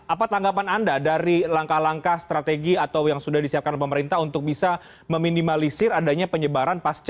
apa tanggapan anda dari langkah langkah strategi atau yang sudah disiapkan oleh pemerintah untuk bisa meminimalisir adanya penyebaran